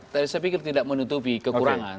tapi saya pikir tidak menutupi kekurangan